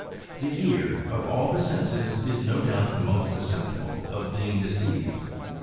The ear, of all the senses, is no doubt the most susceptible of being deceived.